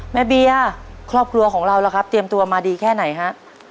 เบียร์ครอบครัวของเราล่ะครับเตรียมตัวมาดีแค่ไหนฮะ